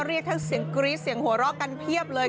เรียกทั้งเสียงกรี๊ดเสียงหัวเราะกันเพียบเลย